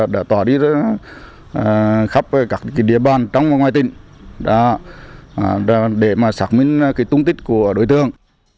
đã tỏ đi khắp các địa bàn trong và ngoài tỉnh để xác minh tung tích của đối tượng